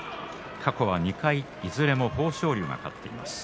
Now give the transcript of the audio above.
過去は２回いずれも豊昇龍が勝っています。